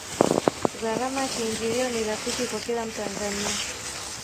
gharama ya kiingilio ni rafiki kwa kila mtanzania